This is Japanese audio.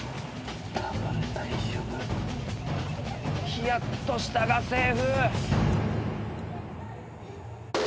ひやっとしたがセーフ。